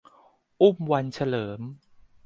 อุ้มวันเฉลิม